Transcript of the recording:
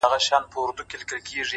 هڅاند انسان پلمه نه لټوي.!